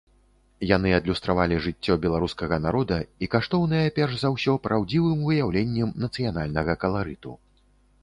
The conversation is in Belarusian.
Яны адлюстравалі жыццё беларускага народа і каштоўныя перш за ўсё праўдзівым выяўленнем нацыянальнага каларыту.